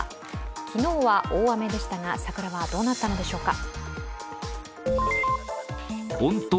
昨日は大雨でしたが桜はどうなったのでしょうか。